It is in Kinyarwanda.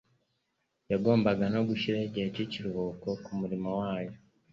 yagombaga no gushyiraho igihe cy’ikiruhuko ku murimo Wayo,